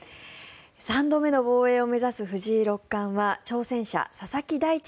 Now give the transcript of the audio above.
３度目の防衛を目指す藤井六冠は挑戦者、佐々木大地